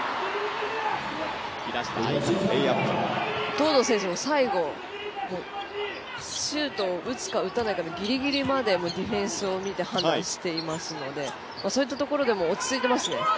東藤選手も最後シュートを打つか打たないかのギリギリまでディフェンスを見て判断していますのでそういったところでも落ち着いていますね。